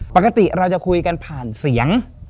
ปกติเราจะคุยกันผ่านเสียง